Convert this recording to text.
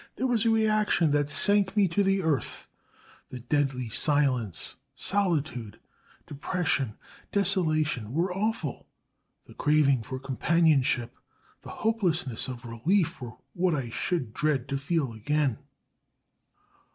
There was a reaction that sank me to the earth, the deadly silence, solitude, depression, desolation were awful; the craving for companionship, the hopelessness of relief were what I should dread to feel again."